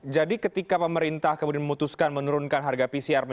jadi ketika pemerintah kemudian memutuskan menurunkan harga pisang